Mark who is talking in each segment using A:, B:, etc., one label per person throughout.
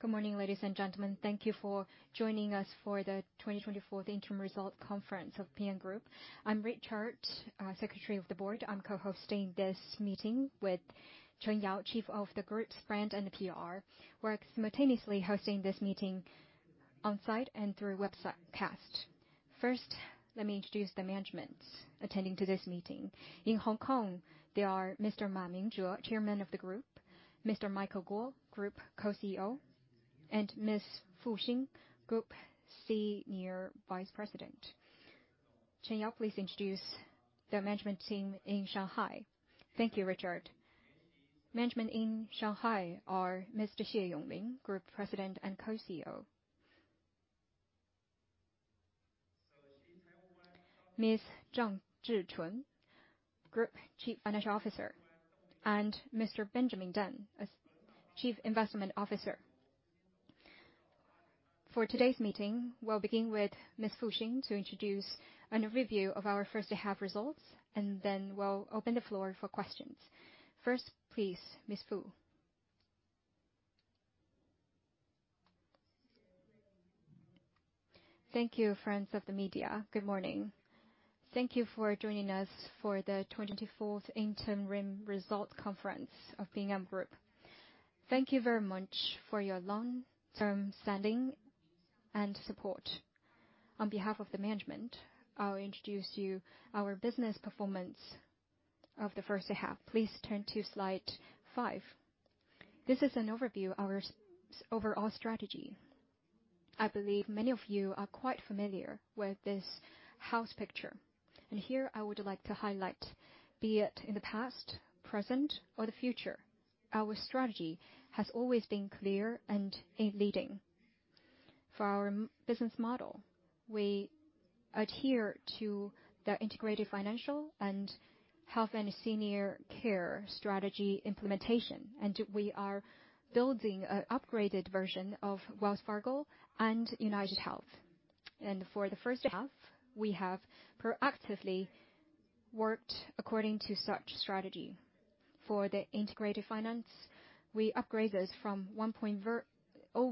A: Good morning, ladies and gentlemen. Thank you for joining us for the 2024 Interim Result Conference of Ping An Group. I'm Richard, Secretary of the Board. I'm co-hosting this meeting with Chen Yao, Chief of the Group's Brand and PR. We're simultaneously hosting this meeting on-site and through webcast. First, let me introduce the management attending to this meeting. In Hong Kong, they are Mr. Ma Mingzhe, Chairman of the Group; Mr. Michael Guo, Group Co-CEO; and Ms. Fu Xin, Group Senior Vice President. Chen Yao, please introduce the management team in Shanghai.
B: Thank you, Richard. Management in Shanghai are Mr. Xie Yonglin, Group President and Co-CEO; Ms. Zhang Zhichun, Group Chief Financial Officer, and Mr. Benjamin Deng, as Chief Investment Officer. For today's meeting, we'll begin with Ms. Fu Xin to introduce an overview of our first half results, and then we'll open the floor for questions. First, please, Ms. Fu.
C: Thank you, friends of the media. Good morning. Thank you for joining us for the 2024 interim results conference of Ping An Group. Thank you very much for your long-term standing and support. On behalf of the management, I'll introduce you our business performance of the first half. Please turn to Slide five. This is an overview our overall strategy. I believe many of you are quite familiar with this house picture, and here I would like to highlight, be it in the past, present, or the future, our strategy has always been clear and in leading. For our business model, we adhere to the integrated financial and health and senior care strategy implementation, and we are building an upgraded version of Wells Fargo and UnitedHealth. For the first half, we have proactively worked according to such strategy. For the integrated finance, we upgraded from 1.0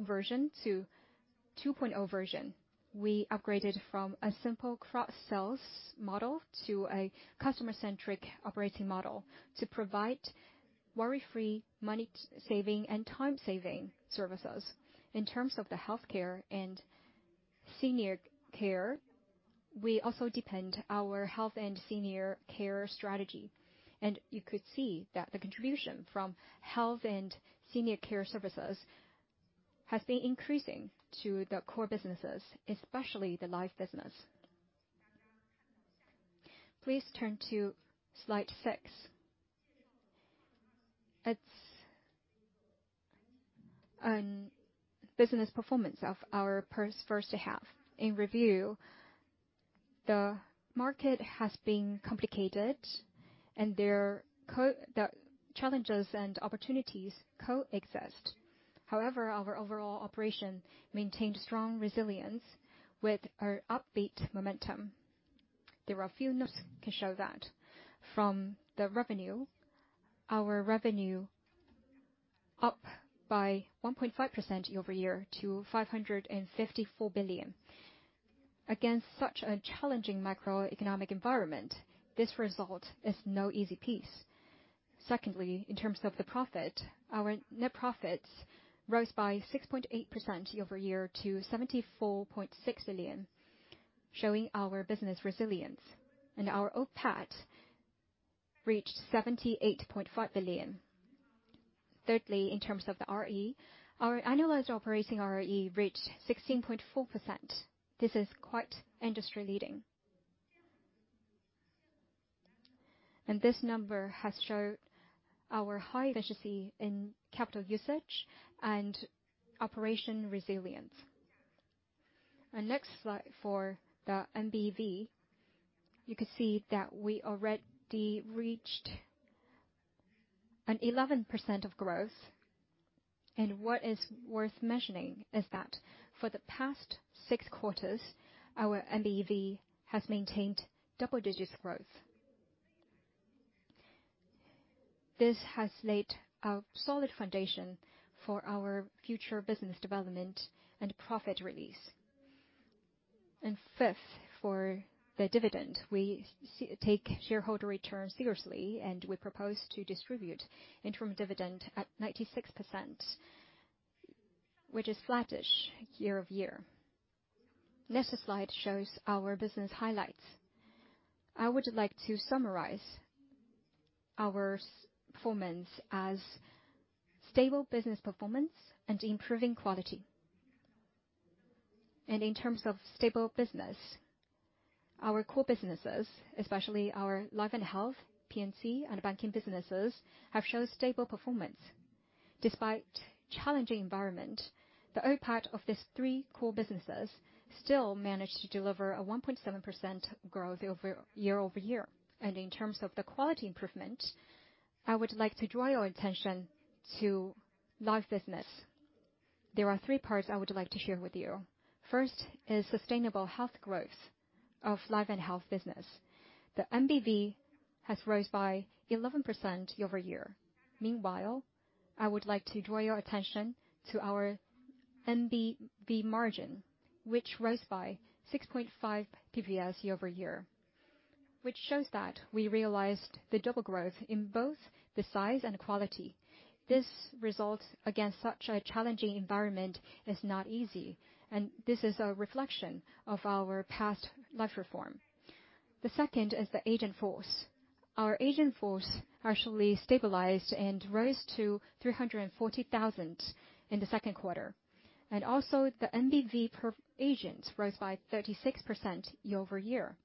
C: version to 2.0 version. We upgraded from a simple cross-sales model to a customer-centric operating model to provide worry-free, money-saving, and time-saving services. In terms of the healthcare and senior care, we also deepen our health and senior care strategy, and you could see that the contribution from health and senior care services has been increasing to the core businesses, especially the life business. Please turn to Slide six. It's business performance of our first half. In review, the market has been complicated and the challenges and opportunities coexist. However, our overall operation maintained strong resilience with our upbeat momentum. There are a few notes to show that. From the revenue, our revenue up by 1.5% year-over-year to 554 billion. Against such a challenging macroeconomic environment, this result is no easy piece. Secondly, in terms of the profit, our net profits rose by 6.8% year-over-year to 74.6 billion, showing our business resilience, and our OPAT reached 78.5 billion. Thirdly, in terms of the ROE, our annualized operating ROE reached 16.4%. This is quite industry-leading, and this number has showed our high efficiency in capital usage and operation resilience. Our next slide for the NBV. You can see that we already reached an 11% growth, and what is worth mentioning is that for the past six quarters, our NBV has maintained double-digit growth. This has laid a solid foundation for our future business development and profit release. And fifth, for the dividend, we take shareholder returns seriously, and we propose to distribute interim dividend at 96%, which is flattish year-over-year. Next slide shows our business highlights. I would like to summarize our performance as stable business performance and improving quality. And in terms of stable business, our core businesses, especially our life and health, P&C, and banking businesses, have shown stable performance. Despite challenging environment, the OPAT of these three core businesses still managed to deliver a 1.7% growth year-over-year. And in terms of the quality improvement, I would like to draw your attention to life business. There are three parts I would like to share with you. First is sustainable health growth of life and health business. The NBV has rose by 11% year-over-year. Meanwhile, I would like to draw your attention to our NBV margin, which rose by 6.5 basis points year-over-year, which shows that we realized the double growth in both the size and quality. This results, against such a challenging environment, is not easy, and this is a reflection of our past life reform. The second is the agent force. Our agent force actually stabilized and rose to 340,000 in the second quarter, and also the NBV per agent rose by 36% year-over-year.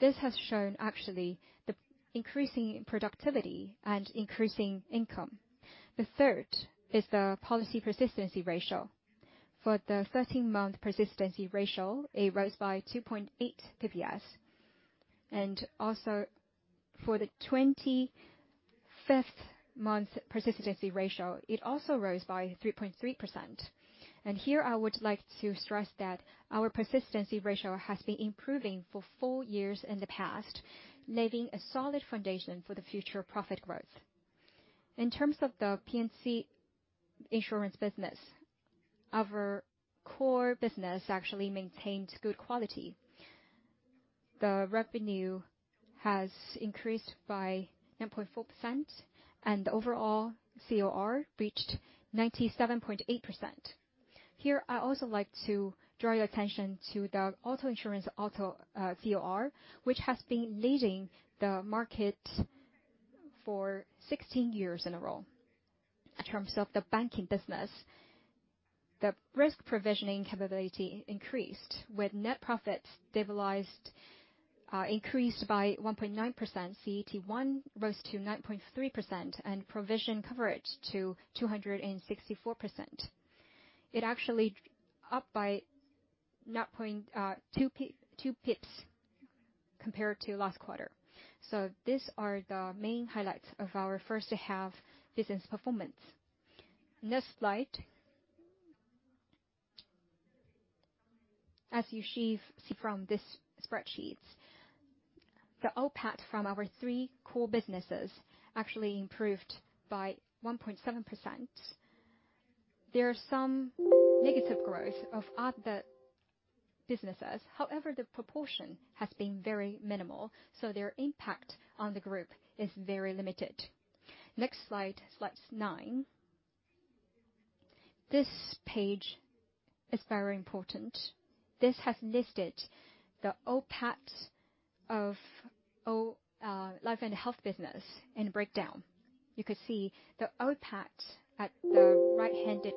C: This has shown actually the increasing productivity and increasing income. The third is the policy persistency ratio. For the 13-month persistency ratio, it rose by 2.8 bps, and also for the 25th-month persistency ratio, it also rose by 3.3%. And here, I would like to stress that our persistency ratio has been improving for four years in the past, laying a solid foundation for the future profit growth. In terms of the P&C insurance business, our core business actually maintained good quality. The revenue has increased by 9.4%, and the overall COR reached 97.8%. Here, I also like to draw your attention to the auto insurance auto, COR, which has been leading the market for 16 years in a row. In terms of the banking business, the risk provisioning capability increased, with net profits stabilized, increased by 1.9%. CET1 rose to 9.3% and provision coverage to 264%. It actually up by naught point two pips compared to last quarter. So these are the main highlights of our first half business performance. Next slide. As you see from this spreadsheets, the OPAT from our three core businesses actually improved by 1.7%. There are some negative growth of other businesses, however, the proportion has been very minimal, so their impact on the group is very limited. Next slide, Slide nine. This page is very important. This has listed the OPAT of our life and health business in breakdown. You could see the OPAT at the right-handed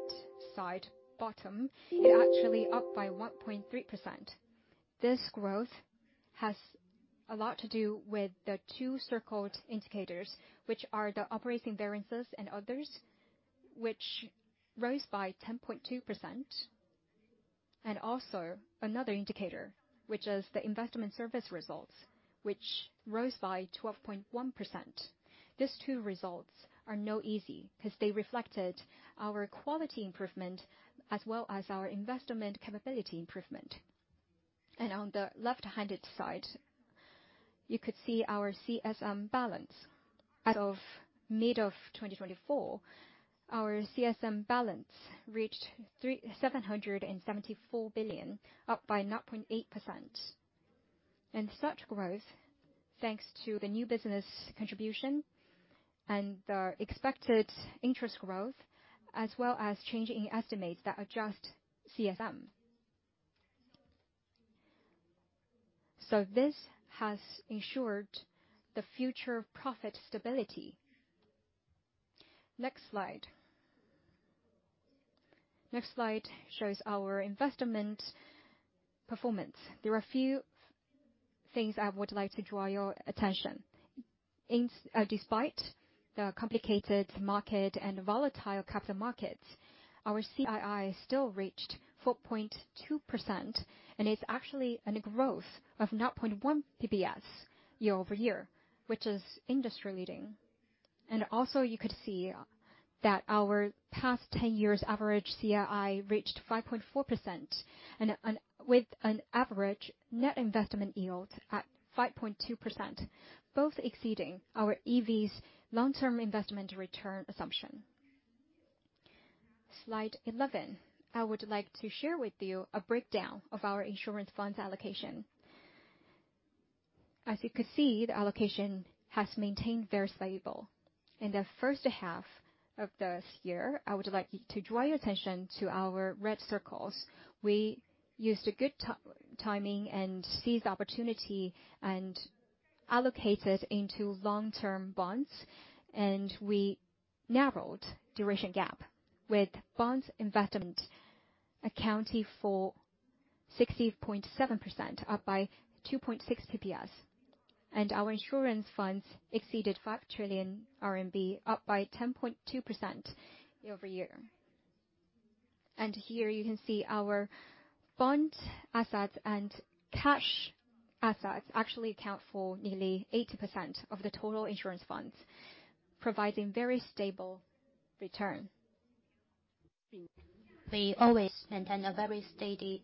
C: side bottom, it actually up by 1.3%. This growth has a lot to do with the two circled indicators, which are the operating variances and others, which rose by 10.2%, and also another indicator, which is the investment service results, which rose by 12.1%. These two results are not easy, 'cause they reflected our quality improvement, as well as our investment capability improvement. And on the left-hand side, you could see our CSM balance. As of mid-2024, our CSM balance reached 337 billion, up by 0.8%. And such growth, thanks to the new business contribution and the expected interest growth, as well as changing estimates that adjust CSM. So this has ensured the future profit stability. Next slide. Next slide shows our investment performance. There are a few things I would like to draw your attention. Despite the complicated market and volatile capital markets, our CII still reached 4.2%, and it's actually a growth of 0.1 bps year-over-year, which is industry-leading. You could see that our past ten years' average CII reached 5.4% and, with an average net investment yield at 5.2%, both exceeding our EV's long-term investment return assumption. Slide 11. I would like to share with you a breakdown of our insurance funds allocation. As you can see, the allocation has maintained very stable. In the first half of this year, I would like to draw your attention to our red circles. We used a good timing and seized the opportunity and allocated into long-term bonds, and we narrowed duration gap with bonds investment accounting for 60.7%, up by 2.6 bps. Our insurance funds exceeded 5 trillion RMB, up 10.2% year-over-year. Here, you can see our bond assets and cash assets actually account for nearly 80% of the total insurance funds, providing very stable return.... We always maintain a very steady,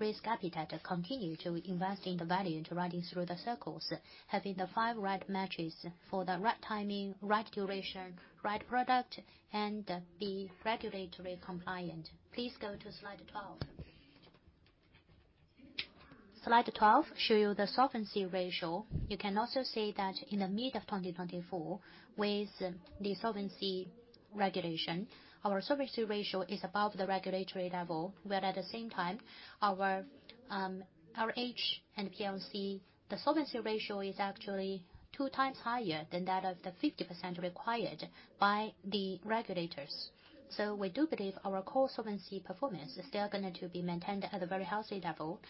C: risk appetite to continue to invest in the value and riding through the cycles, having the five right matches for the right timing, right duration, right product, and the regulatory compliant. Please go to Slide 12. Slide 12 show you the solvency ratio. You can also see that in the mid of 2024, with the solvency regulation, our solvency ratio is above the regulatory level. But at the same time, our HSBC plc, the solvency ratio is actually two times higher than that of the 50% required by the regulators. So we do believe our core solvency performance is still going to be maintained at a very healthy level.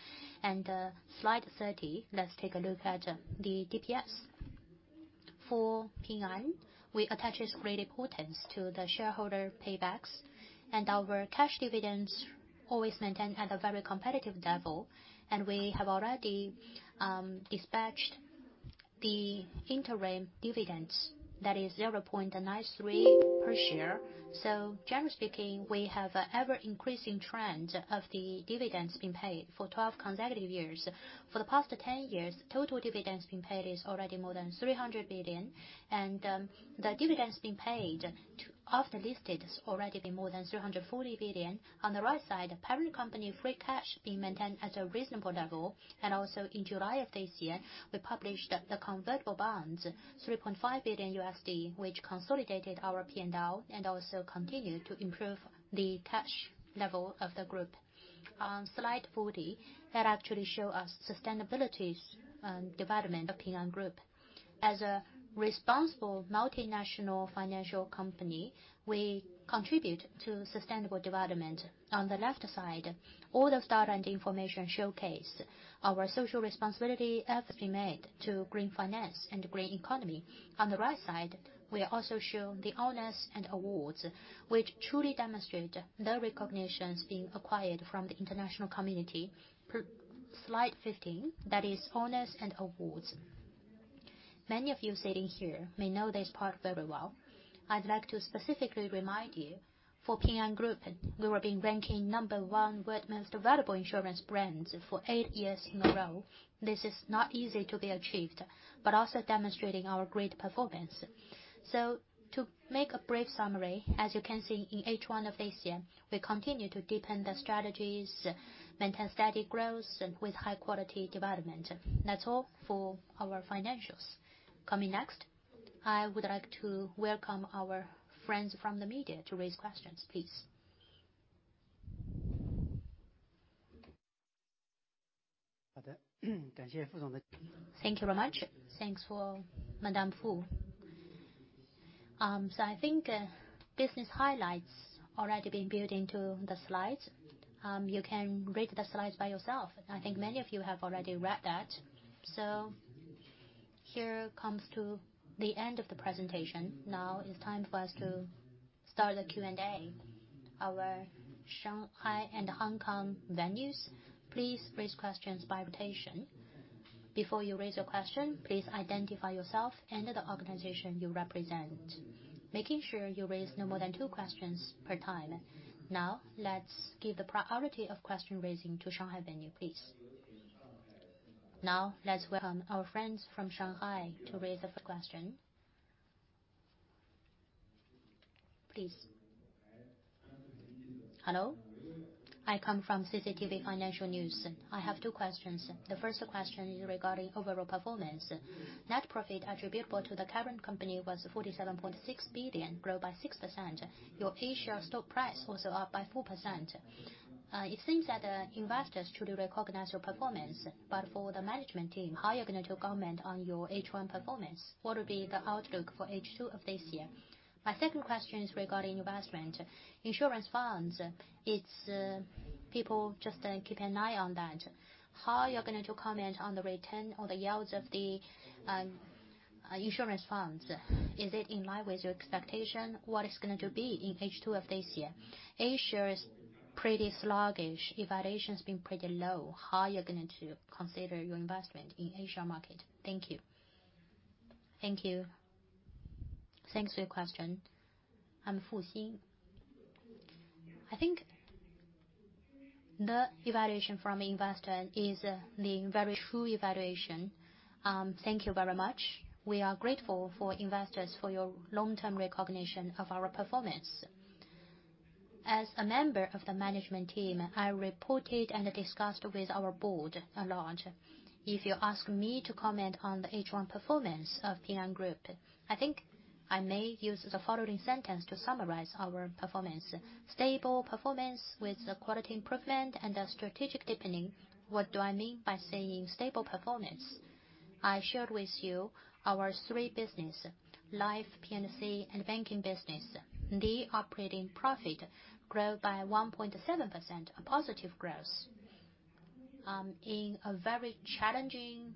C: Slide 13, let's take a look at the DPS. For Ping An, we attach great importance to the shareholder paybacks, and our cash dividends have always maintained at a very competitive level, and we have already dispatched the interim dividends, that is 0.93 per share. So generally speaking, we have an ever-increasing trend of the dividends being paid for twelve consecutive years. For the past ten years, total dividends being paid is already more than 300 billion, and the dividends being paid after listed have already been more than 340 billion. On the right side, parent company free cash being maintained at a reasonable level. And also in July of this year, we issued the convertible bonds, $3.5 billion, which consolidated our P&L and also continued to improve the cash level of the group. On Slide 14, that actually show a sustainability development of Ping An Group. As a responsible multinational financial company, we contribute to sustainable development. On the left side, all the data and information showcase our social responsibility efforts we made to green finance and green economy. On the right side, we also show the honors and awards, which truly demonstrate the recognitions being acquired from the international community. Slide 15, that is honors and awards. Many of you sitting here may know this part very well. I'd like to specifically remind you, for Ping An Group, we were being ranking number one world most valuable insurance brands for eight years in a row. This is not easy to be achieved, but also demonstrating our great performance. So to make a brief summary, as you can see, in H1 of this year, we continue to deepen the strategies, maintain steady growth and with high quality development. That's all for our financials. Coming next, I would like to welcome our friends from the media to raise questions, please.
A: Thank you very much. Thanks for Madame Fu. So I think, business highlights already been built into the slides. You can read the slides by yourself. I think many of you have already read that. So here comes to the end of the presentation. Now it's time for us to start the Q&A. Our Shanghai and Hong Kong venues, please raise questions by rotation. Before you raise your question, please identify yourself and the organization you represent, making sure you raise no more than two questions per time. Now, let's give the priority of question raising to Shanghai venue, please. Now, let's welcome our friends from Shanghai to raise the first question. Please. Hello, I come from CCTV Financial News. I have two questions. The first question is regarding overall performance. Net profit attributable to the current company was 47.6 billion, grow by 6%. Your A-share stock price also up by 4%. It seems that investors truly recognize your performance, but for the management team, how are you going to comment on your H1 performance? What will be the outlook for H2 of this year? My second question is regarding investment. Insurance funds, it's people just keep an eye on that. How are you going to comment on the return or the yields of the insurance funds? Is it in line with your expectation? What is going to be in H2 of this year? A-share is pretty sluggish. Valuation's been pretty low. How are you going to consider your investment in A-share market? Thank you.
C: Thank you. Thanks for your question. I'm Fu Xin. I think the valuation from investor is the very true valuation. Thank you very much. We are grateful for investors for your long-term recognition of our performance. As a member of the management team, I reported and discussed with our board a lot. If you ask me to comment on the H1 performance of Ping An Group, I think I may use the following sentence to summarize our performance: Stable performance with a quality improvement and a strategic deepening. What do I mean by saying stable performance? I shared with you our three business, Life, P&C, and Banking business. The operating profit grew by 1.7%, a positive growth. In a very challenging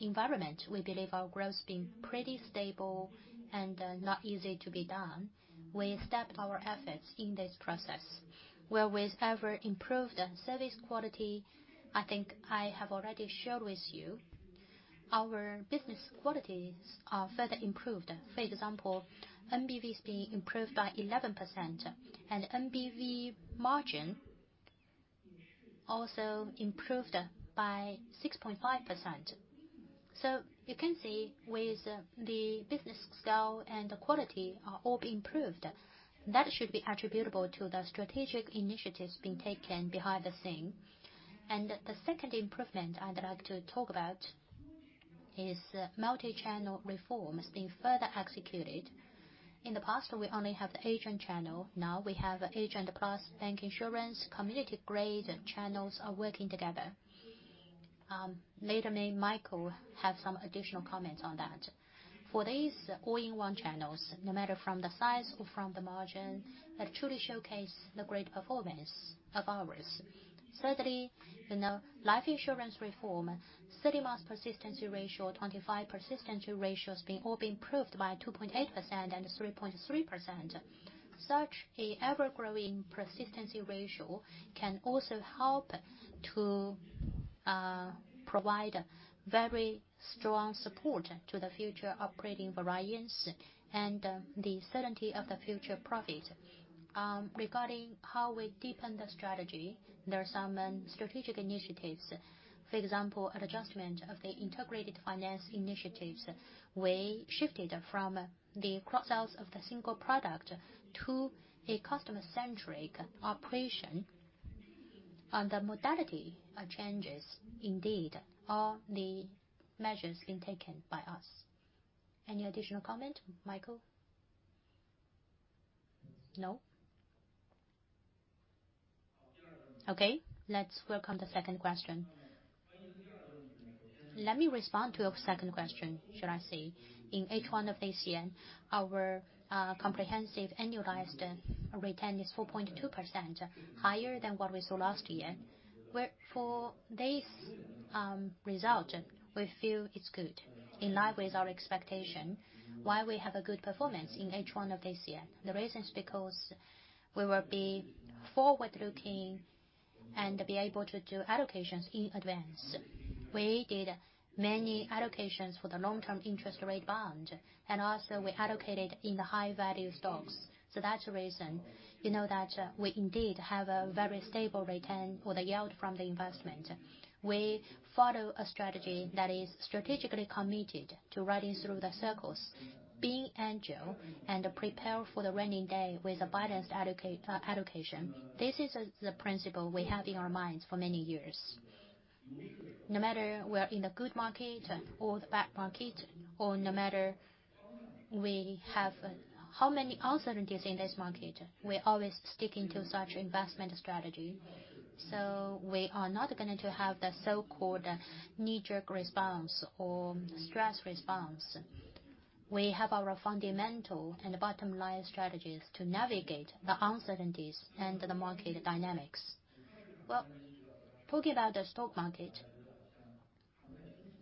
C: environment, we believe our growth has been pretty stable and not easy to be done. We stepped our efforts in this process, where with ever-improved service quality, I think I have already shared with you. Our business qualities are further improved. For example, NBV is being improved by 11%, and NBV margin also improved by 6.5%, so you can see with the business scale and the quality are all being improved, that should be attributable to the strategic initiatives being taken behind the scene, and the second improvement I'd like to talk about is multi-channel reforms being further executed. In the past, we only have the agent channel. Now we have agent plus bank insurance, community Grid channels are working together. Later, maybe Michael have some additional comments on that. For these all-in-one channels, no matter from the size or from the margin, that truly showcase the great performance of ours. Thirdly, you know, life insurance reform, 30-month persistency ratio, 25 persistency ratios all being improved by 2.8% and 3.3%. Such a ever-growing persistency ratio can also help to provide very strong support to the future operating variance and the certainty of the future profit. Regarding how we deepen the strategy, there are some strategic initiatives. For example, an adjustment of the integrated finance initiatives, we shifted from the cross sales of the single product to a customer-centric operation, and the modality of changes indeed are the measures being taken by us. Any additional comment, Michael? No? Okay, let's work on the second question. Let me respond to your second question, should I say. In H1 of this year, our comprehensive annualized return is 4.2%, higher than what we saw last year. Wherefore this result, we feel it's good, in line with our expectation, why we have a good performance in H1 of this year. The reason is because we will be forward-looking and be able to do allocations in advance. We did many allocations for the long-term interest rate bond, and also we allocated in the high-value stocks. So that's the reason, you know, that we indeed have a very stable return or the yield from the investment. We follow a strategy that is strategically committed to riding through the cycles, being agile, and prepare for the rainy day with a balanced allocation. This is as the principle we have in our minds for many years. No matter we're in a good market or the bad market, or no matter we have how many uncertainties in this market, we're always sticking to such investment strategy. So we are not going to have the so-called knee-jerk response or stress response. We have our fundamental and bottom-line strategies to navigate the uncertainties and the market dynamics. Well, talking about the stock market,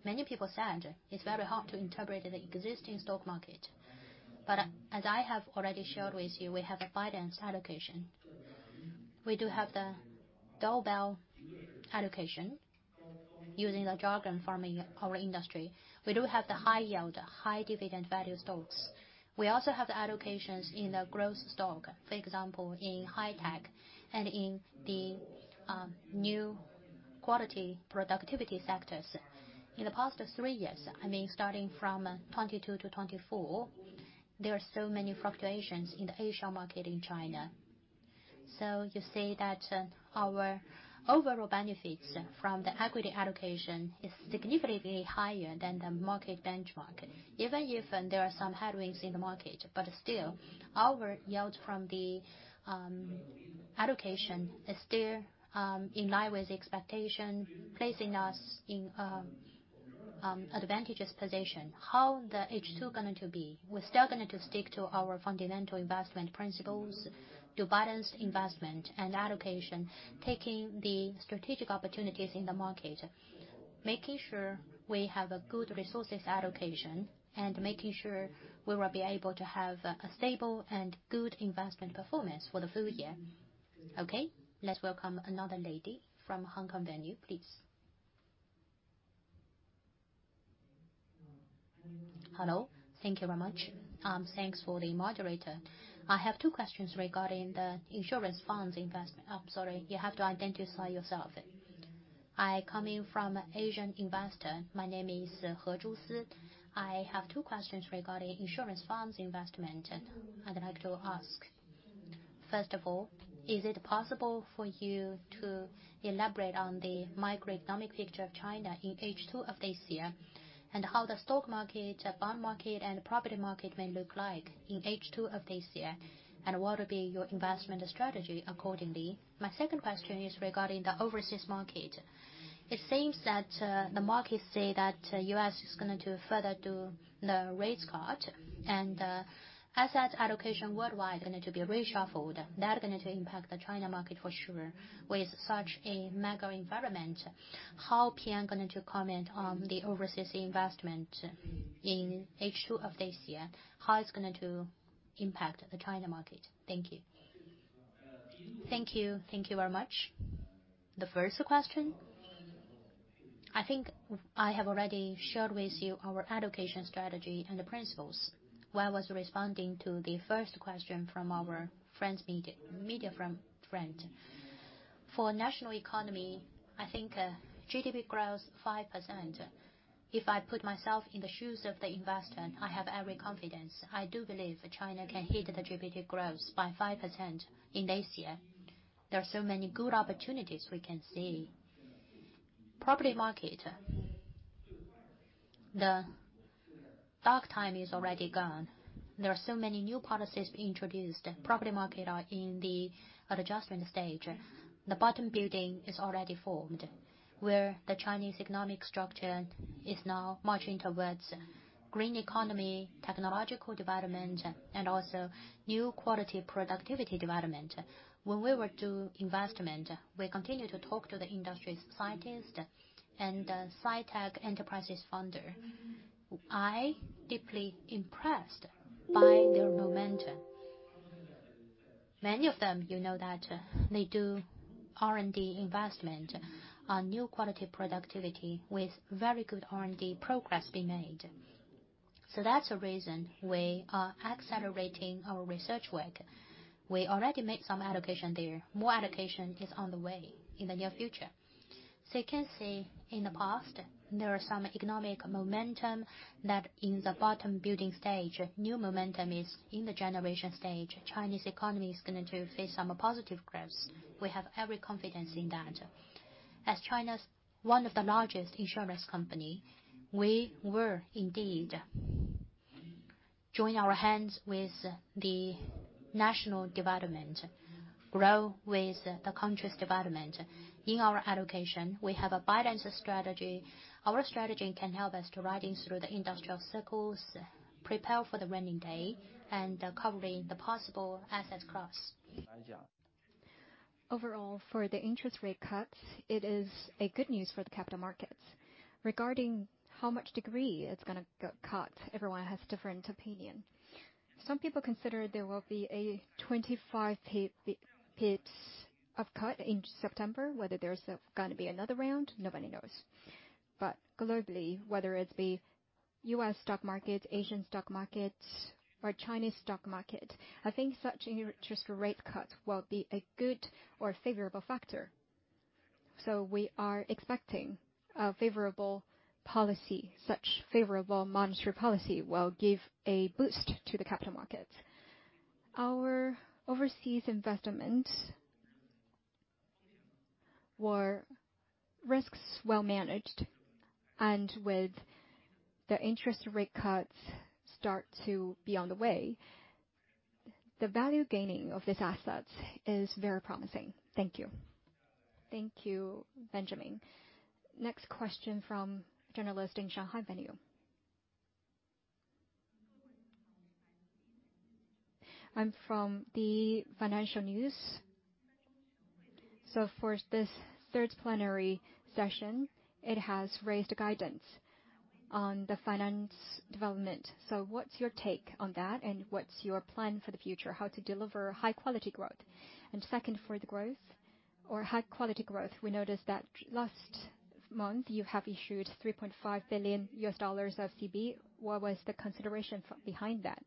C: many people said it's very hard to interpret the existing stock market. But as I have already shared with you, we have a balanced allocation. We do have the double allocation, using the jargon from our industry. We do have the high yield, high dividend value stocks. We also have the allocations in the growth stock, for example, in high tech and in the new quality productivity sectors. In the past three years, I mean, starting from 2022 to 2024, there are so many fluctuations in the Asian market in China. So you see that, our overall benefits from the equity allocation is significantly higher than the market benchmark. Even if there are some headwinds in the market, but still, our yield from the allocation is still in line with the expectation, placing us in a advantageous position. How the H2 going to be? We're still going to stick to our fundamental investment principles, to balance investment and allocation, taking the strategic opportunities in the market, making sure we have a good resources allocation, and making sure we will be able to have a stable and good investment performance for the full year.
A: Okay, let's welcome another lady from Hong Kong venue, please.
D: Hello. Thank you very much. Thanks for the moderator. I have two questions regarding the insurance funds investment.
A: Sorry, you have to identify yourself.
D: I coming from AsianInvestor. My name is He Zhu. I have two questions regarding insurance funds investment, I'd like to ask. First of all, is it possible for you to elaborate on the macroeconomic picture of China in H2 of this year, and how the stock market, bond market, and property market may look like in H2 of this year, and what would be your investment strategy accordingly? My second question is regarding the overseas market. It seems that, the markets say that U.S. is going to further do the rates cut, and, asset allocation worldwide are going to be reshuffled. That is going to impact the China market for sure. With such a macro environment, how PN going to comment on the overseas investment in H2 of this year? How it's going to impact the China market? Thank you.
E: Thank you. Thank you very much. The first question, I think I have already shared with you our allocation strategy and the principles while I was responding to the first question from our friends media, media from friend. For national economy, I think, GDP grows 5%. If I put myself in the shoes of the investor, I have every confidence. I do believe China can hit the GDP growth by 5% in this year. There are so many good opportunities we can see. Property market, the dark time is already gone. There are so many new policies introduced. Property market are in the adjustment stage. The bottom building is already formed, where the Chinese economic structure is now marching towards green economy, technological development, and also new quality productivity development. When we were do investment, we continue to talk to the industry's scientist and sci-tech enterprises founder. I deeply impressed by their momentum. Many of them, you know that, they do R&D investment on new quality productivity with very good R&D progress being made, so that's the reason we are accelerating our research work. We already made some allocation there. More allocation is on the way in the near future, so you can see, in the past, there are some economic momentum that in the bottom building stage, new momentum is in the generation stage. Chinese economy is going to face some positive growth. We have every confidence in that. As China's one of the largest insurance company, we will indeed join our hands with the national development, grow with the country's development. In our allocation, we have a balanced strategy. Our strategy can help us to ride through the industrial cycles, prepare for the rainy day, and cover the possible assets cross. Overall, for the interest rate cuts, it is good news for the capital markets. Regarding how much degree it's gonna go cut, everyone has different opinion. Some people consider there will be a 25 pips of cut in September. Whether there's gonna be another round, nobody knows. But globally, whether it be U.S. stock market, Asian stock markets, or Chinese stock market, I think such interest rate cut will be a good or favorable factor. So we are expecting a favorable policy. Such favorable monetary policy will give a boost to the capital markets. Our overseas investments were risks well managed, and with the interest rate cuts start to be on the way, the value gaining of these assets is very promising. Thank you.
A: Thank you, Benjamin. Next question from journalist in Shanghai venue. I'm from the Financial News. So of course, this third plenary session, it has raised guidance on the finance development. So what's your take on that? And what's your plan for the future, how to deliver high-quality growth? And second, for the growth or high-quality growth, we noticed that last month you have issued $3.5 billion of CB. What was the consideration behind that?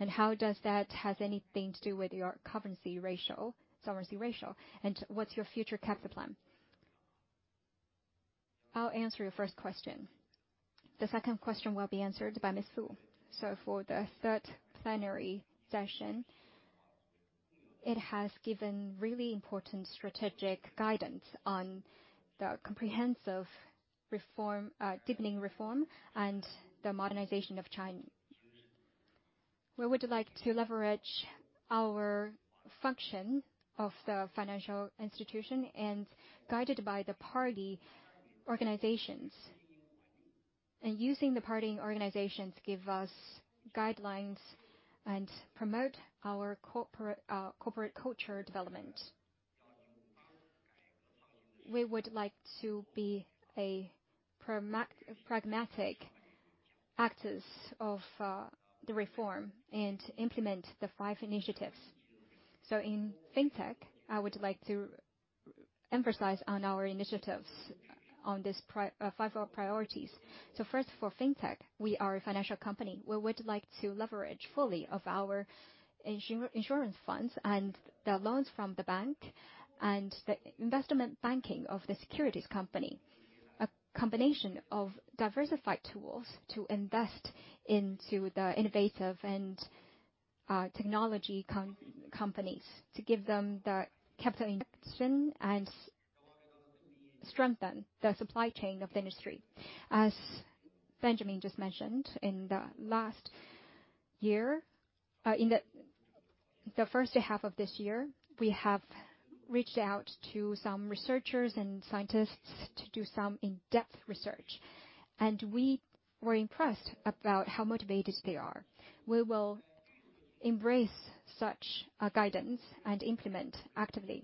A: And how does that has anything to do with your capital ratio, solvency ratio, and what's your future capital plan?
B: I'll answer your first question. The second question will be answered by Miss Fu. For the third plenary session, it has given really important strategic guidance on the comprehensive reform, deepening reform and the modernization of China. We would like to leverage our function of the financial institution and guided by the party organizations, and using the party organizations give us guidelines and promote our corporate culture development. We would like to be pragmatic actors of the reform and implement the five initiatives. So in fintech, I would like to emphasize on our initiatives on these five priorities. So first, for fintech, we are a financial company. We would like to leverage fully of our insurance funds and the loans from the bank and the investment banking of the securities company. A combination of diversified tools to invest into the innovative and technology companies, to give them the capital injection and strengthen the supply chain of the industry. As Benjamin just mentioned, in the last year, in the first half of this year, we have reached out to some researchers and scientists to do some in-depth research, and we were impressed about how motivated they are. We will embrace such a guidance and implement actively.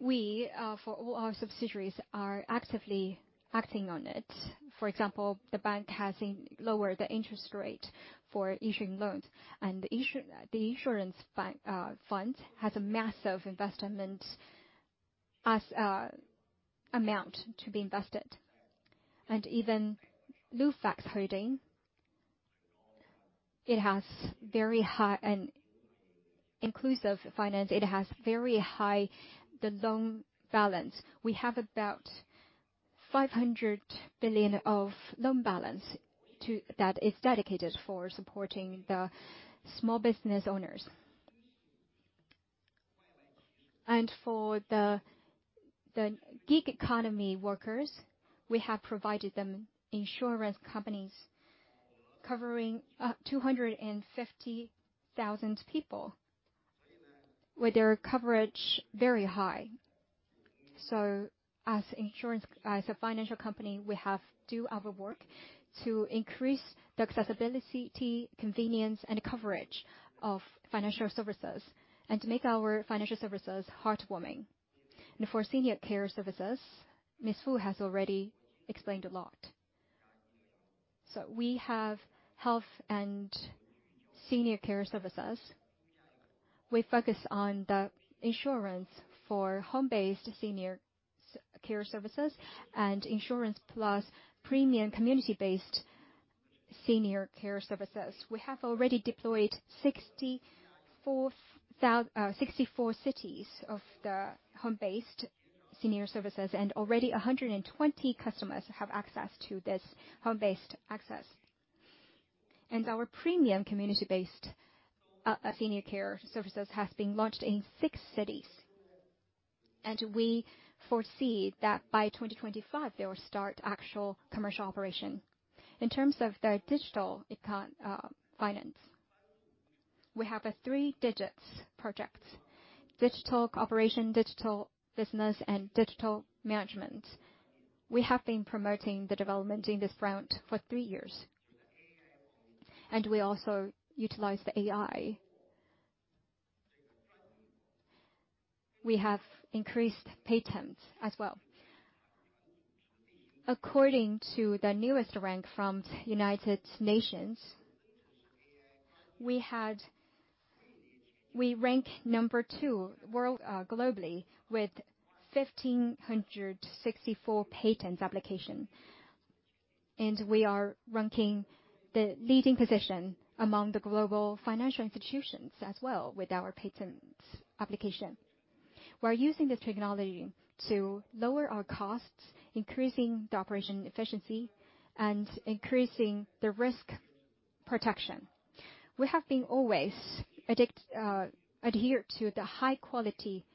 B: We, for all our subsidiaries, are actively acting on it. For example, the bank has lowered the interest rate for issuing loans, and the insurance bank fund has a massive investment amount to be invested. And even Lufax Holding, it has very high and inclusive finance. It has very high, the loan balance. We have about 500 billion of loan balance. That is dedicated for supporting the small business owners. For the gig economy workers, we have provided them insurance companies covering 250,000 people, with their coverage very high. As insurance, as a financial company, we have do our work to increase the accessibility, convenience, and coverage of financial services, and to make our financial services heartwarming. For senior care services, Ms. Fu has already explained a lot. We have health and senior care services. We focus on the insurance for home-based senior care services and insurance plus premium community-based senior care services. We have already deployed 64 cities of the home-based senior services, and already 120 customers have access to this home-based access. Our premium community-based senior care services have been launched in 6 cities, and we foresee that by 2025, they will start actual commercial operation. In terms of the digital econ, finance, we have a three digits project: digital cooperation, digital business, and digital management. We have been promoting the development in this front for three years, and we also utilize the AI. We have increased patents as well. According to the newest rank from United Nations, we rank number two, world, globally, with 1,564 patent applications, and we are ranking the leading position among the global financial institutions as well, with our patent applications. We're using this technology to lower our costs, increasing the operation efficiency, and increasing the risk protection. We have been always adhere to the high quality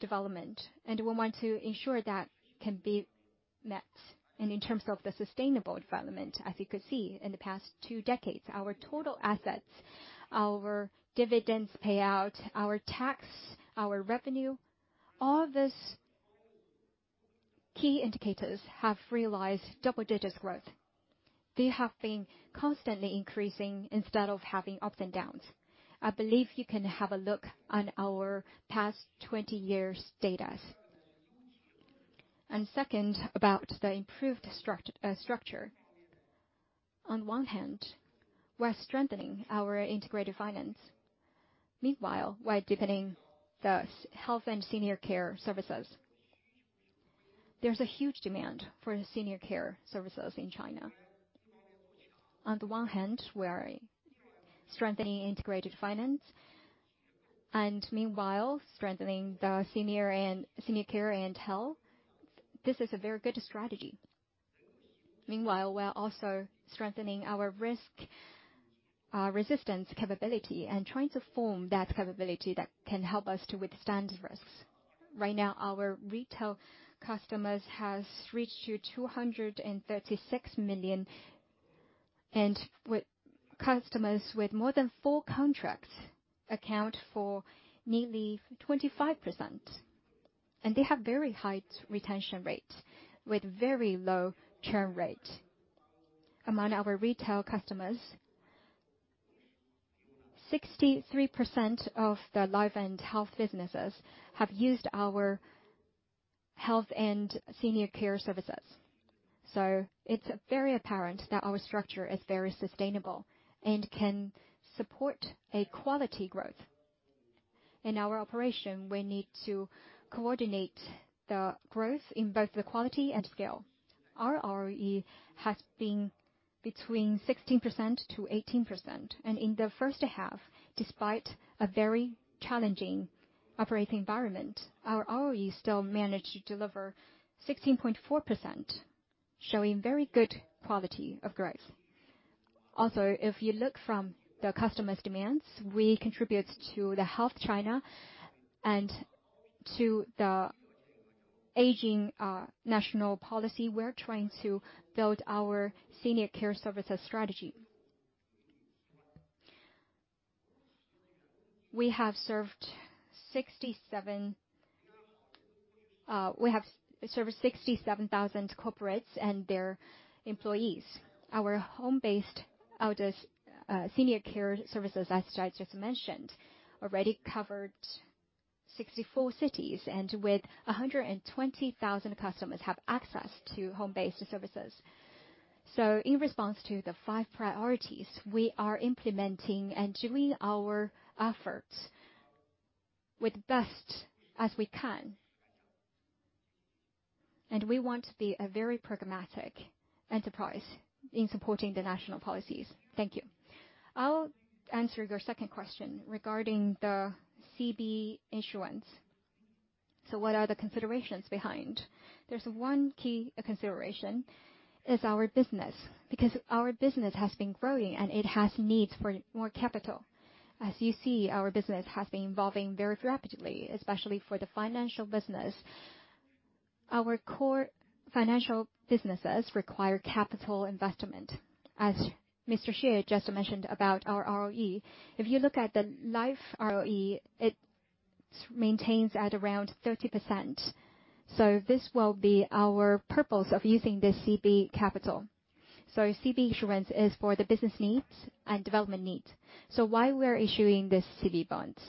B: development, and we want to ensure that can be met. In terms of the sustainable development, as you could see, in the past two decades, our total assets, our dividends payout, our tax, our revenue, all of these key indicators have realized double-digit growth. They have been constantly increasing instead of having ups and downs. I believe you can have a look on our past 20 years' data. Second, about the improved structure. On one hand, we're strengthening our integrated finance. Meanwhile, we're deepening the health and senior care services. There's a huge demand for the senior care services in China. On the one hand, we're strengthening integrated finance and meanwhile strengthening the senior care and health. This is a very good strategy. Meanwhile, we're also strengthening our risk resistance capability and trying to form that capability that can help us to withstand risks. Right now, our retail customers has reached 236 million, and with customers with more than four contracts account for nearly 25%, and they have very high retention rate with very low churn rate. Among our retail customers, 63% of the life and health businesses have used our health and senior care services. So it's very apparent that our structure is very sustainable and can support a quality growth. In our operation, we need to coordinate the growth in both the quality and scale. Our ROE has been between 16%-18%, and in the first half, despite a very challenging operating environment, our ROE still managed to deliver 16.4%, showing very good quality of growth. Also, if you look from the customers' demands, we contribute to the Healthy China and to the aging national policy. We're trying to build our senior care services strategy. We have served 67,000 corporates and their employees. Our home-based elders senior care services, as I just mentioned, already covered 64 cities, and with 120,000 customers have access to home-based services. So in response to the five priorities, we are implementing and doing our efforts with best as we can. We want to be a very pragmatic enterprise in supporting the national policies. Thank you.
C: I'll answer your second question regarding the CB issuance. So what are the considerations behind? There's one key consideration, is our business, because our business has been growing and it has needs for more capital. As you see, our business has been evolving very rapidly, especially for the financial business. Our core financial businesses require capital investment. As Mr. Xie just mentioned about our ROE. If you look at the life ROE, it maintains at around 30%. So this will be our purpose of using this CB capital. So CB issuance is for the business needs and development needs. So why we're issuing this CB bonds?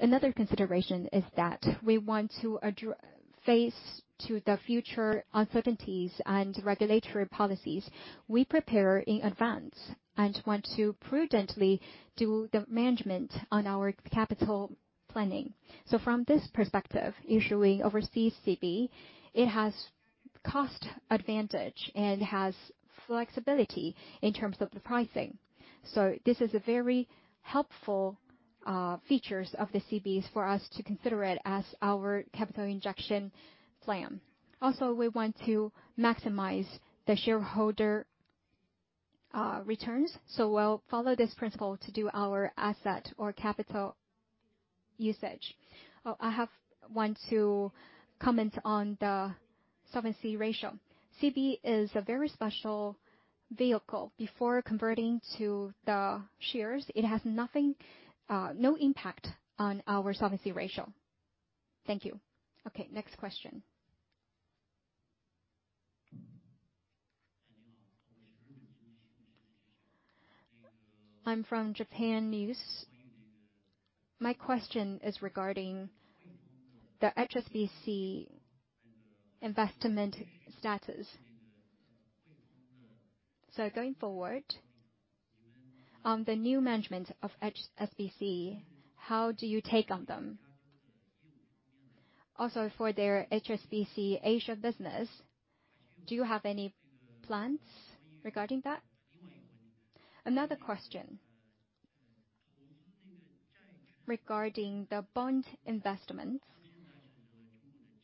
C: Another consideration is that we want to address the future uncertainties and regulatory policies. We prepare in advance and want to prudently do the management on our capital planning. So from this perspective, issuing overseas CB, it has cost advantage and has flexibility in terms of the pricing. So this is a very helpful features of the CBs for us to consider it as our capital injection plan. Also, we want to maximize the shareholder returns, so we'll follow this principle to do our asset or capital usage. Oh, I want to comment on the solvency ratio. CB is a very special vehicle. Before converting to the shares, it has nothing, no impact on our solvency ratio. Thank you.
A: Okay, next question. I'm from Japan News. My question is regarding the HSBC investment status. So going forward, on the new management of HSBC, how do you take on them? Also, for their HSBC Asia business, do you have any plans regarding that? Another question. Regarding the bond investments,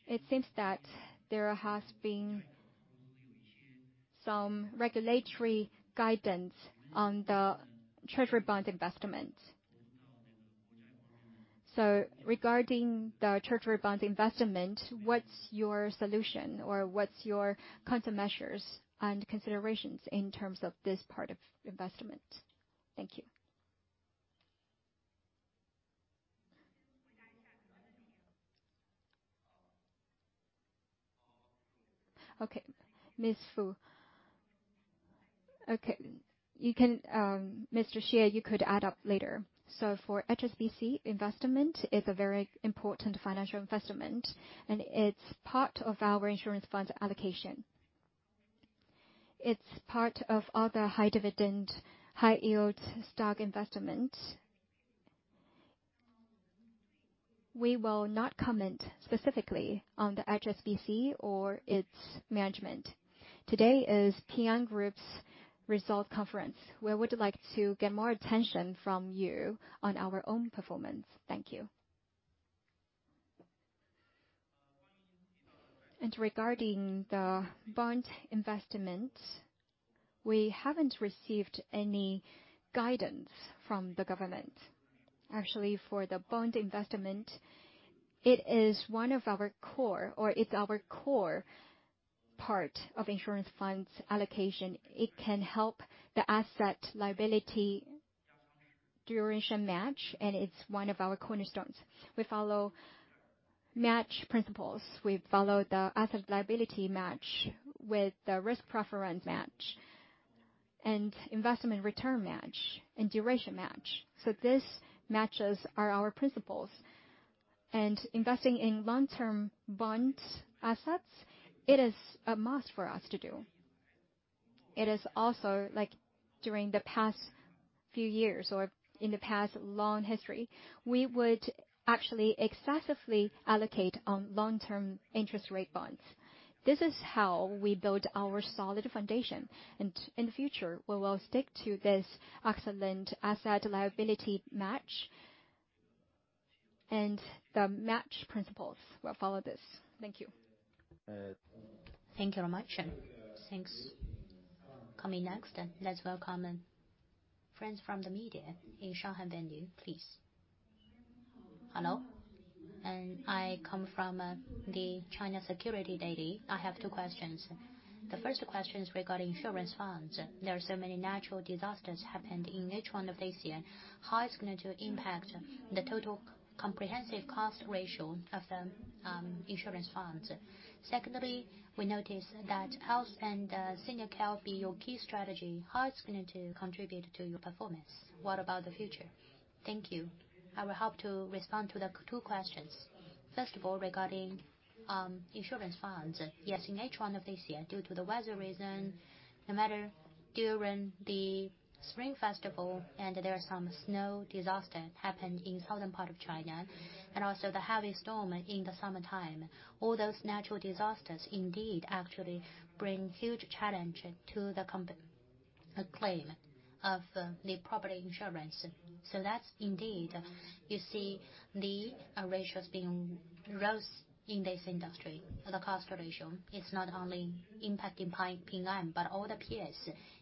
A: it seems that there has been some regulatory guidance on the treasury bond investment. So regarding the treasury bond investment, what's your solution? Or what's your counter measures and considerations in terms of this part of investment? Thank you.
B: Okay, Ms. Fu. Okay, you can, Mr. Xie, you could add up later.
C: So for HSBC investment, it's a very important financial investment, and it's part of our insurance funds allocation. It's part of all the high dividend, high yield stock investment. We will not comment specifically on the HSBC or its management. Today is Ping An Group's result conference. We would like to get more attention from you on our own performance. Thank you.
F: And regarding the bond investment, we haven't received any guidance from the government. Actually, for the bond investment, it is one of our core, or it's our core part of insurance funds allocation. It can help the asset liability duration match, and it's one of our cornerstones. We follow match principles. We follow the asset-liability match with the risk preference match, and investment return match, and duration match. So this matches are our principles. And investing in long-term bond assets, it is a must for us to do. It is also, like, during the past few years or in the past long history, we would actually excessively allocate on long-term interest rate bonds. This is how we build our solid foundation, and in the future, we will stick to this excellent asset liability match, and the match principles will follow this. Thank you. Thank you very much.
A: Thanks. Coming next, let's welcome friends from the media in Shanghai venue, please. Hello, and I come from the China Securities Journal. I have two questions. The first question is regarding insurance funds. There are so many natural disasters happened in each one of this year. How it's going to impact the total comprehensive cost ratio of insurance funds. Secondly, we noticed that health and senior care be your key strategy. How it's going to contribute to your performance? What about the future?
C: Thank you. I will help to respond to the two questions. First of all, regarding insurance funds. Yes, in H1 of this year, due to the weather reason, no matter during the Spring Festival, and there are some snow disaster happened in southern part of China, and also the heavy storm in the summertime. All those natural disasters indeed actually bring huge challenge to the claims of the property insurance. So that's indeed, you see the ratios being rose in this industry. The cost ratio is not only impacting Ping An, but all the peers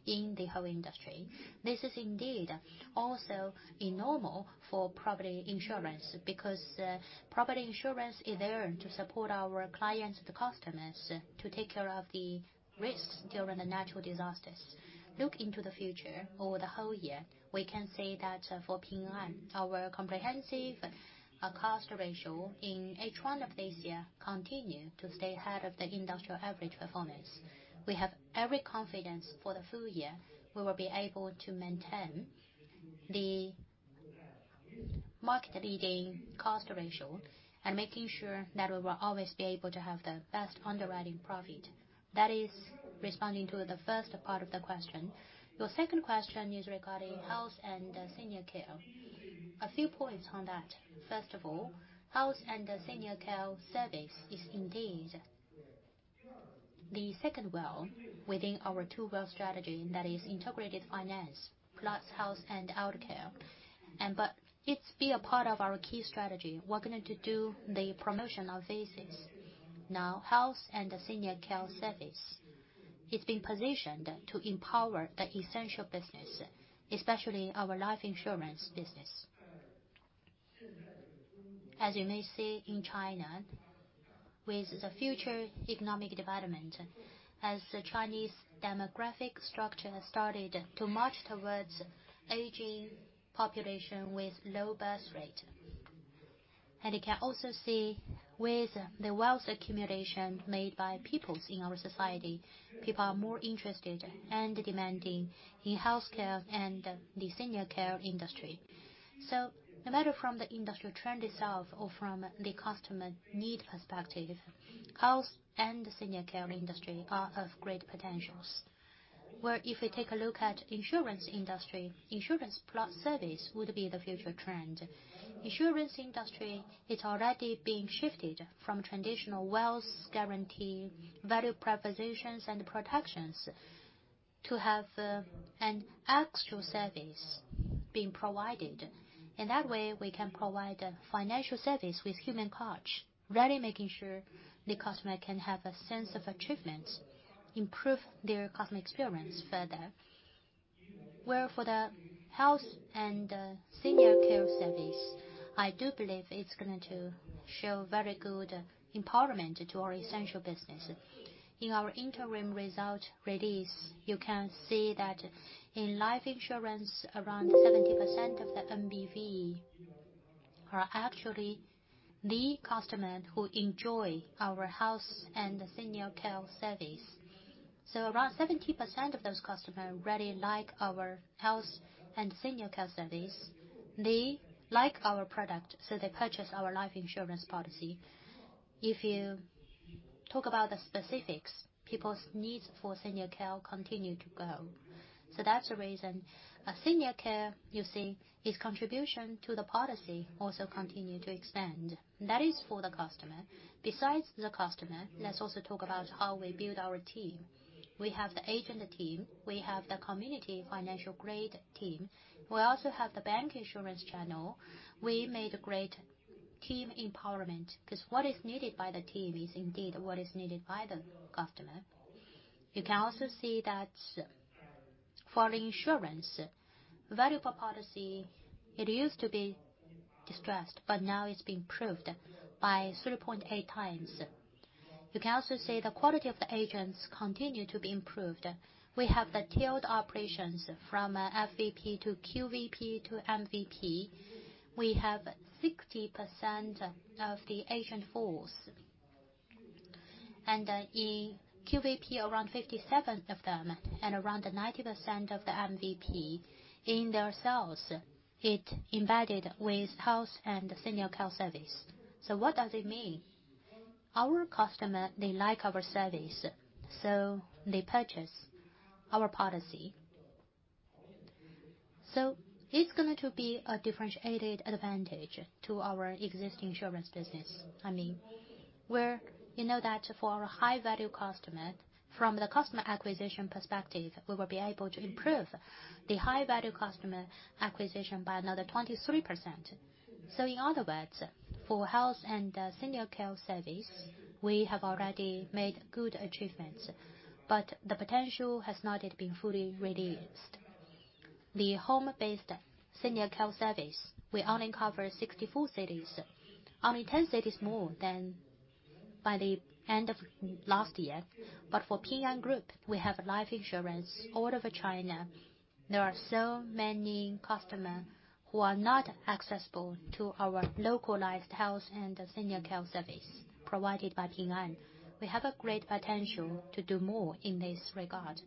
C: in the whole industry. This is indeed also a normal for property insurance, because property insurance is there to support our clients, the customers, to take care of the risks during the natural disasters. Look into the future or the whole year, we can say that for Ping An, our comprehensive cost ratio in H1 of this year continued to stay ahead of the industrial average performance. We have every confidence for the full year, we will be able to maintain the market-leading cost ratio and making sure that we will always be able to have the best underwriting profit. That is responding to the first part of the question. Your second question is regarding health and senior care. A few points on that: First of all, health and the senior care service is indeed the second wheel within our two-wheel strategy, that is integrated finance, plus health and senior care. But it is a part of our key strategy. We are going to do the promotion of this. Now, health and the senior care service, it has been positioned to empower the insurance business, especially our life insurance business. As you may see in China, with the future economic development, as the Chinese demographic structure started to march towards aging population with low birth rate. You can also see with the wealth accumulation made by people in our society, people are more interested and demanding in health care and the senior care industry. So no matter from the industrial trend itself or from the customer need perspective, health and the senior care industry are of great potentials. Where if we take a look at insurance industry, insurance plus service would be the future trend. Insurance industry is already being shifted from traditional wealth guarantee, value propositions, and protections to have an actual service being provided. In that way, we can provide financial service with human touch, really making sure the customer can have a sense of achievement, improve their customer experience further. Where for the health and senior care service, I do believe it's going to show very good empowerment to our essential business. In our interim result release, you can see that in life insurance, around 70% of the NBV are actually the customer who enjoy our health and senior care service. Around 70% of those customers really like our health and senior care service. They like our product, so they purchase our life insurance policy. If you talk about the specifics, people's needs for senior care continue to grow. That's the reason a senior care, you see, its contribution to the policy also continue to expand. That is for the customer. Besides the customer, let's also talk about how we build our team. We have the agent team, we have the community financial Grid team. We also have the bank insurance channel. We made a great team empowerment, 'cause what is needed by the team is indeed what is needed by the customer. You can also see that for the insurance, value per policy, it used to be distressed, but now it's been improved by 3.8x. You can also see the quality of the agents continue to be improved. We have the tiered operations from FVP to QVP to MVP. We have 60% of the agent force, and in QVP, around 57% of them, and around 90% of the MVP in their sales, it embedded with health and senior care service. So what does it mean? Our customer, they like our service, so they purchase our policy. So it's going to be a differentiated advantage to our existing insurance business. I mean, you know that for our high-value customer, from the customer acquisition perspective, we will be able to improve the high-value customer acquisition by another 23%. So in other words, for health and senior care service, we have already made good achievements, but the potential has not yet been fully released. The home-based senior care service, we only cover 64 cities, only 10 cities more than by the end of last year, but for Ping An Group, we have life insurance all over China. There are so many customers who are not accessible to our localized health and senior care service provided by Ping An. We have a great potential to do more in this regard.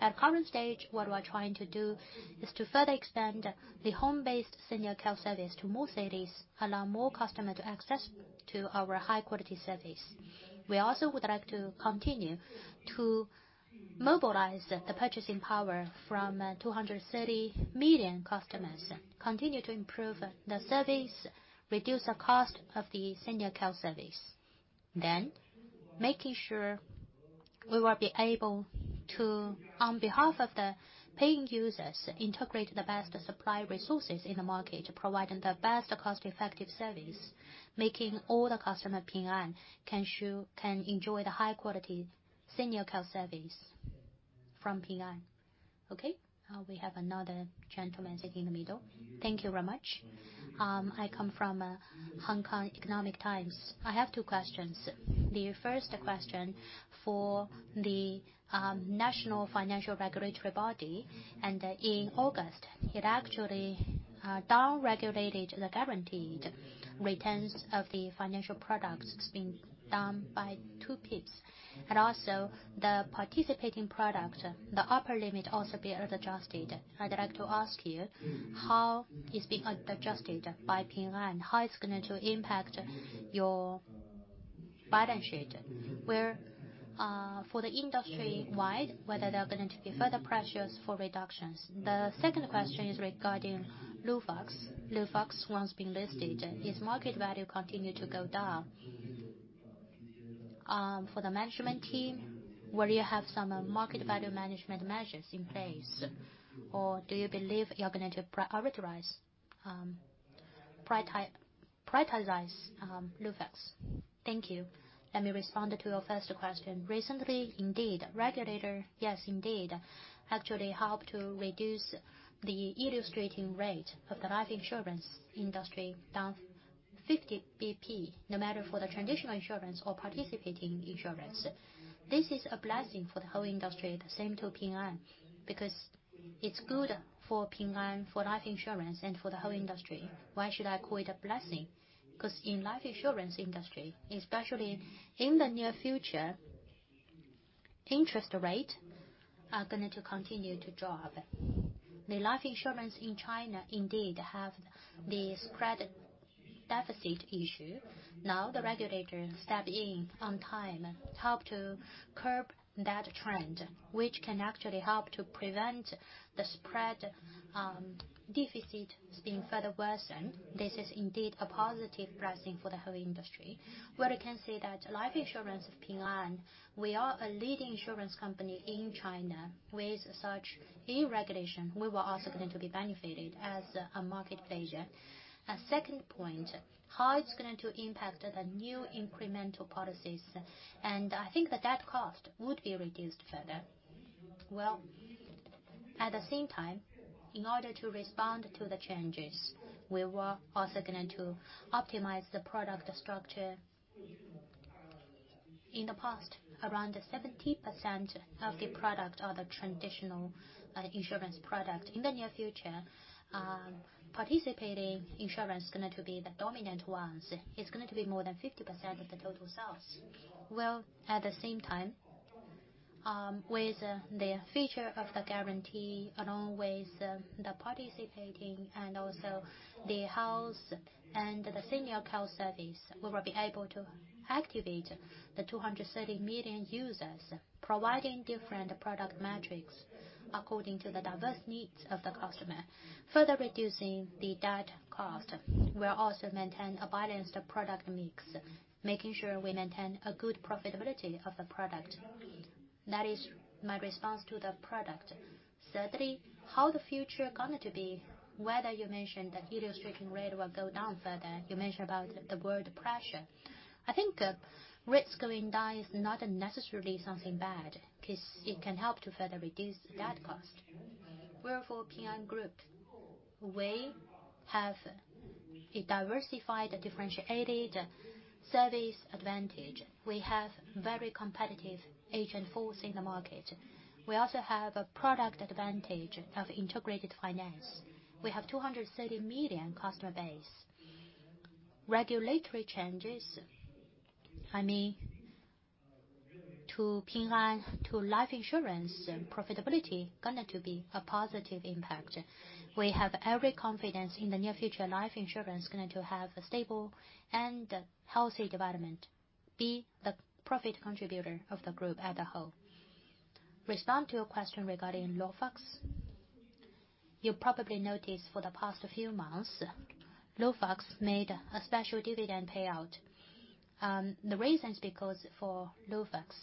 C: At current stage, what we're trying to do is to further expand the home-based senior care service to more cities, allow more customers to access to our high-quality service. We also would like to continue to mobilize the purchasing power from 200 million customers, continue to improve the service, reduce the cost of the senior care service. Then making sure we will be able to, on behalf of the paying users, integrate the best supply resources in the market, providing the best cost-effective service, making all the customer Ping An, can enjoy the high quality senior health service from Ping An.
B: Okay, we have another gentleman sitting in the middle. Thank you very much. I come from Hong Kong Economic Times. I have two questions. The first question for the national financial regulatory body, and in August, it actually down-regulated the guaranteed returns of the financial products. It's been done by two pips. And also the participating product, the upper limit also be adjusted. I'd like to ask you, how it's being adjusted by Ping An? How it's going to impact your balance sheet? Where, for the industry-wide, whether there are going to be further pressures for reductions. The second question is regarding Lufax. Lufax, once being listed, its market value continued to go down. For the management team, will you have some market value management measures in place, or do you believe you're going to prioritize Lufax? Thank you.
C: Let me respond to your first question. Recently, indeed, regulators actually helped to reduce the illustrating rate of the life insurance industry down fifty basis points, no matter for the traditional insurance or participating insurance. This is a blessing for the whole industry, the same to Ping An, because it's good for Ping An, for life insurance, and for the whole industry. Why should I call it a blessing? Because in life insurance industry, especially in the near future, interest rate are going to continue to drop. The life insurance in China indeed have this spread deficit issue. Now, the regulator step in on time, help to curb that trend, which can actually help to prevent the spread, deficit being further worsened. This is indeed a positive blessing for the whole industry, where you can say that life insurance of Ping An, we are a leading insurance company in China. With such a regulation, we will also going to be benefited as a market player. A second point, how it's going to impact the new incremental policies? And I think that that cost would be reduced further. Well, at the same time, in order to respond to the changes, we were also going to optimize the product structure. In the past, around 70% of the product are the traditional, insurance product. In the near future, participating insurance is going to be the dominant ones. It's going to be more than 50% of the total sales. Well, at the same time, with the feature of the guarantee, along with the participating and also the health and the senior health service, we will be able to activate the 230 million users, providing different product metrics according to the diverse needs of the customer, further reducing the debt cost. We'll also maintain a balanced product mix, making sure we maintain a good profitability of the product. That is my response to the product. Thirdly, how the future is going to be, whether you mentioned the illustrating rate will go down further, you mentioned about the world pressure. I think rate going down is not necessarily something bad, because it can help to further reduce that cost. Well, for Ping An Group, we have a diversified, differentiated service advantage. We have very competitive agent force in the market. We also have a product advantage of Integrated Finance. We have a 230 million customer base. Regulatory changes, I mean, to Ping An, to life insurance profitability, going to be a positive impact. We have every confidence in the near future, life insurance is going to have a stable and healthy development, be the profit contributor of the group as a whole. To respond to your question regarding Lufax. You probably noticed for the past few months, Lufax made a special dividend payout. The reason is because for Lufax,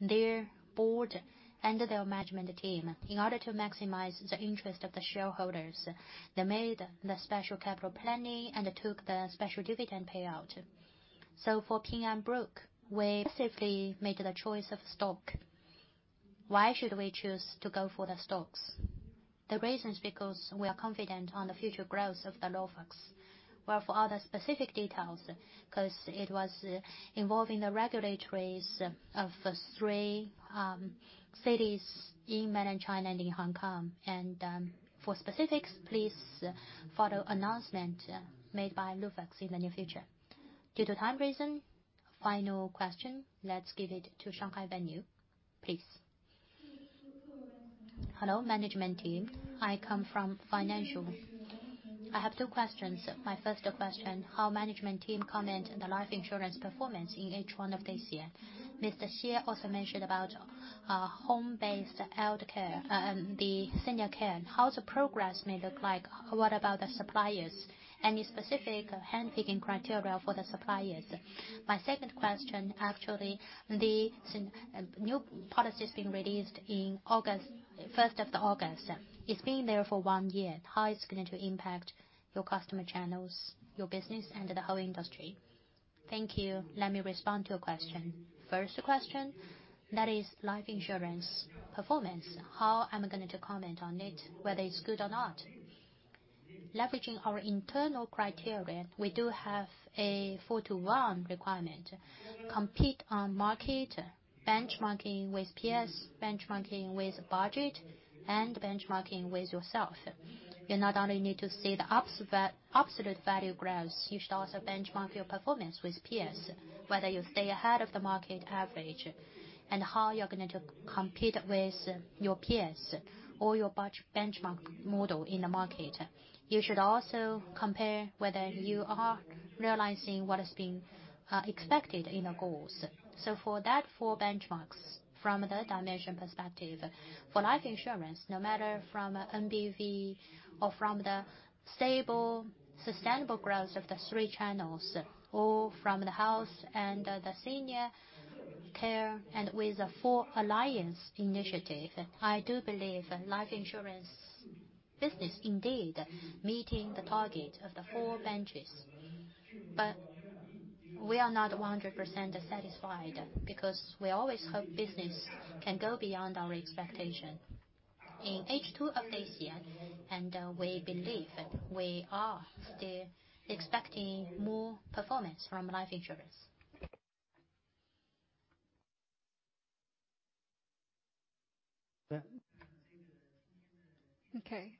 C: their board and their management team, in order to maximize the interest of the shareholders, they made the special capital planning and took the special dividend payout. So for Ping An Group, we basically made the choice of stock. Why should we choose to go for the stocks? The reason is because we are confident on the future growth of the Lufax. Well, for all the specific details, 'cause it was, involving the regulators of three, cities in mainland China and in Hong Kong.
A: And, for specifics, please follow announcement, made by Lufax in the near future. Due to time reason, final question, let's give it to Shanghai venue, please. Hello, management team. I come from Financial News. I have two questions. My first question, how management team comment on the life insurance performance in H1 of this year? Mr. Xie also mentioned about, home-based senior care, the senior care. How the progress may look like? What about the suppliers? Any specific handpicking criteria for the suppliers? My second question, actually, the new product that's been released in August, 1st of August, it's been there for one year. How it's going to impact your customer channels, your business, and the whole industry? Thank you.
C: Let me respond to your question. First question, that is life insurance performance. How am I going to comment on it, whether it's good or not? Leveraging our internal criteria, we do have a four-to-one requirement. Compete on market, benchmarking with peers, benchmarking with budget, and benchmarking with yourself. You not only need to see the absolute value growth, you should also benchmark your performance with peers, whether you stay ahead of the market average, and how you're going to compete with your peers or your benchmark model in the market. You should also compare whether you are realizing what is being expected in the goals. So for that four benchmarks, from the dimension perspective, for life insurance, no matter from NBV or from the stable, sustainable growth of the three channels, or from the health and the senior care, and with the four alliance initiative, I do believe life insurance business indeed meeting the target of the four benchmarks. But we are not 100% satisfied, because we always hope business can go beyond our expectation. In H2 of this year, we believe that we are still expecting more performance from life insurance.
B: Okay.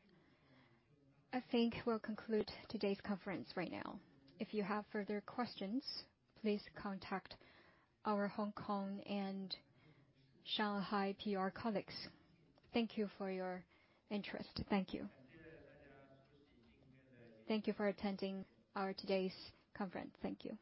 B: I think we'll conclude today's conference right now. If you have further questions, please contact our Hong Kong and Shanghai PR colleagues. Thank you for your interest. Thank you.
A: Thank you for attending our today's conference. Thank you.